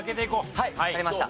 はいわかりました。